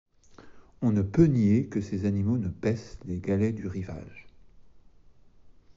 On ne peut nier que ces animaux ne paissent les galets du rivage.